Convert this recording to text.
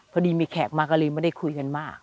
พอดีมีแขกมาก็เลยไม่ได้คุยกันมาก